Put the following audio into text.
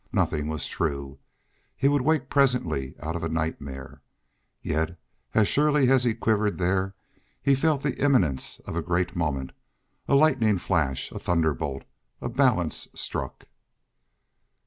Nothing was true. He would wake presently out of a nightmare. Yet, as surely as he quivered there, he felt the imminence of a great moment a lightning flash a thunderbolt a balance struck.